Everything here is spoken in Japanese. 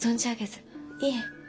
いえ。